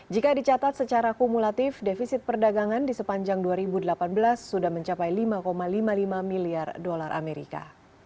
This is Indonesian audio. jika dicatat secara kumulatif defisit perdagangan di sepanjang dua ribu delapan belas sudah mencapai lima lima puluh lima miliar dolar amerika